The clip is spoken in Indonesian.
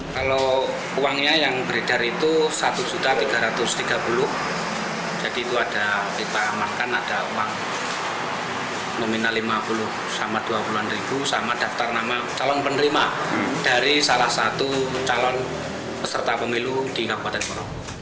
kalau uangnya yang beredar itu satu tiga ratus tiga puluh jadi itu ada kita amankan ada uang nominal lima puluh sama rp dua puluh an sama daftar nama calon penerima dari salah satu calon peserta pemilu di kabupaten sorong